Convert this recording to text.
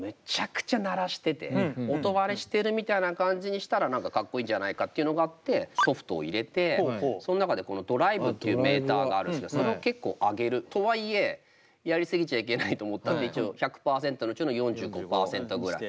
でこのドラムを何かかっこいいんじゃないかっていうのがあってソフトを入れてその中でこのドライブっていうメーターがあるんですけどそれを結構上げる。とは言えやり過ぎちゃいけないと思ったんで一応１００％のうちの４５％ぐらい。